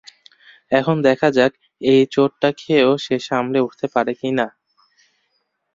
এখন দেখা যাক, এই চোটটা খেয়েও সে সামলে উঠতে পারে কিনা।